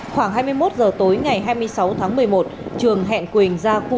khoảng hai mươi một h tối ngày hai mươi sáu tháng một mươi một trường hẹn quỳnh ra khu